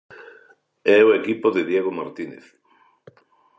E o equipo de Diego Martínez.